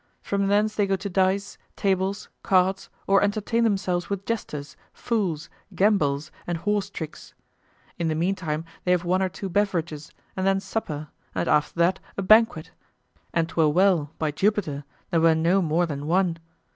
From thence they go to dice, tables, cards, or entertain themselves with jesters, fools, gambols, and horse tricks. In the meantime they have one or two beverages, and then supper, and after that a banquet, and 'twere well, by Jupiter, there were no more than one.